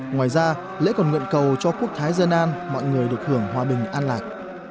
ngoài ra lễ còn nguyện cầu cho quốc thái dân an mọi người được hưởng hòa bình an lạc